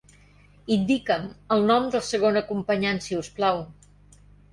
Indica'm el nom del segon acompanyant, si us plau.